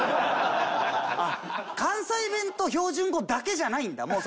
あっ関西弁と標準語だけじゃないんだ。